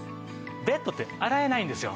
ベッドって洗えないんですよ。